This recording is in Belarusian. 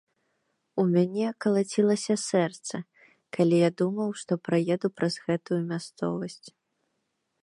У мяне калацілася сэрца, калі я думаў, што праеду праз гэтую мясцовасць.